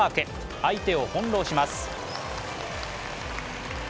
相手を翻弄します。